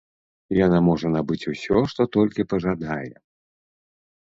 Яна можа набыць усё, што толькі пажадае.